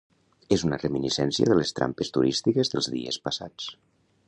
És una reminiscència de les trampes turístiques dels dies passats.